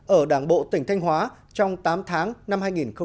ở đảng bộ tỉnh thanh hóa trong tám tháng năm hai nghìn một mươi chín